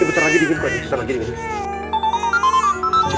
eh bentar lagi dihentikan